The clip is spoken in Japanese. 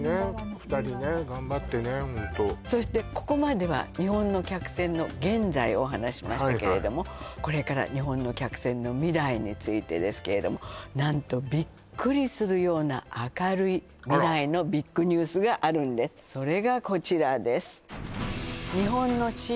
２人ね頑張ってねホントそしてここまでは日本の客船の現在をお話ししましたけれどもこれから日本の客船の未来についてですけれども何とビックリするような明るいあら未来のビッグニュースがあるんですそれがこちらです